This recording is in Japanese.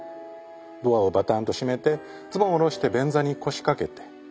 ドアをバタンと閉めてズボンを下ろして便座に腰掛けて。